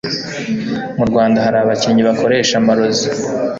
murwanda harabakinnyi bakoresha amarozi